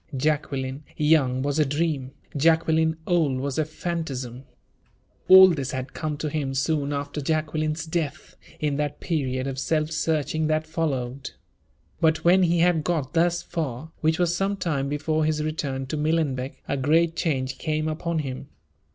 Jacqueline, young, was a dream; Jacqueline, old, was a fantasm. All this had come to him soon after Jacqueline's death, in that period of self searching that followed. But, when he had got thus far, which was some time before his return to Millenbeck, a great change came upon him.